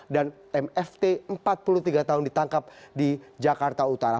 dan mft empat puluh tiga tahun ditangkap di jakarta utara